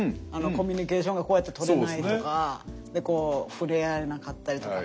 コミュニケーションがこうやって取れないとかこう触れ合えなかったりとか。